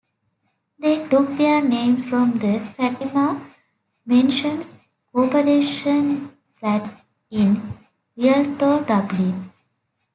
They took their name from the Fatima Mansions corporation flats in Rialto, Dublin.